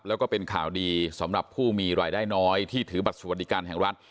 แล้วก็เป็นข่าวดีสำหรับผู้มีรายได้น้อยที่ถือบัตรสวัสดิการแห่งรัฐ